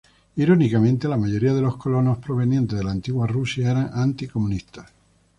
Irónicamente, la mayoría de los colonos provenientes de la antigua Rusia eran anticomunistas.